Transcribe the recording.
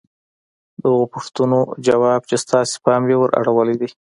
د هغو پوښتنو ځواب چې ستاسې پام يې ور اړولی دی.